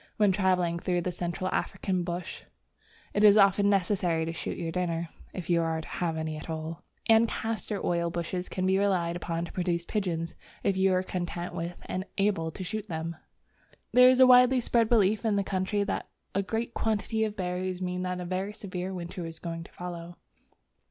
When travelling through the Central African bush, it is often necessary to shoot your dinner (if you are to have any at all), and castor oil bushes can be relied upon to produce pigeons, if you are content with and are able to shoot them. There is a widely spread belief in the country that a great quantity of berries means that a very severe winter is going to follow.